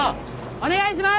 お願いします！